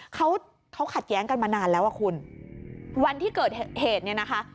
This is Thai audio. เขาเขาขัดแย้งกันมานานแล้วอ่ะคุณวันที่เกิดเหตุเนี่ยนะคะ